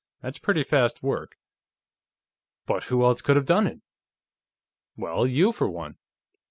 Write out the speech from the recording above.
That's pretty fast work." "But who else could have done it?" "Well, you, for one.